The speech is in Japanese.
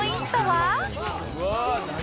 「うわっ！何？